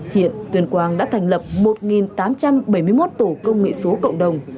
hiện tuyên quang đã thành lập một tám trăm bảy mươi một tổ công nghệ số cộng đồng